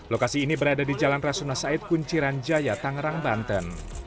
lokasi ini berada di jalan rasuna said kunciran jaya tangerang banten